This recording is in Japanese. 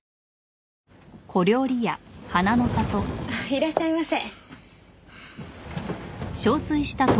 いらっしゃいませ。